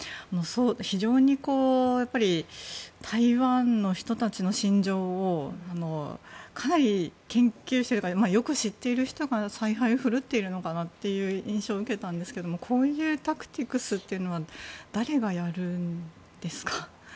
非常に台湾の人たちの心情をかなり研究しているというかよく知っている人が采配を振るという印象を受けたんですがこういうタクティクスは誰がやるんですか。